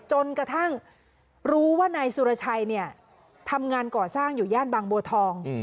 จนกระทั่งรู้ว่านายสุรชัยเนี่ยทำงานก่อสร้างอยู่ย่านบางบัวทอง